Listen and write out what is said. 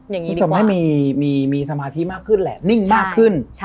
อย่างนี้ดีกว่าสมมุติให้มีสมาธิมากขึ้นแหละนิ่งมากขึ้น